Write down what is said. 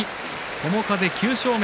友風９勝目。